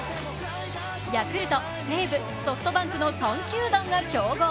ヤクルト、西武、ソフトバンクの３球団が競合。